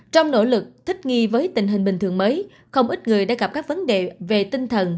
trong nỗ lực thích nghi với tình hình bình thường mới không ít người đã gặp các vấn đề về tinh thần